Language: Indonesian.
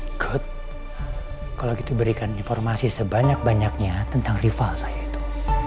ikut kalau gitu berikan informasi sebanyak banyaknya tentang rival saya itu